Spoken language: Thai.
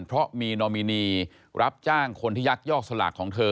เพราะมีนอมินีรับจ้างคนที่ยักยอกสลากของเธอ